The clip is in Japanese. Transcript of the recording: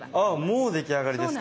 もう出来上がりですか。